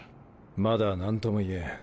まだ何とも言えん。